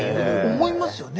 思いますよね。